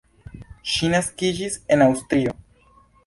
Ŝi naskiĝis en Aŭstrio.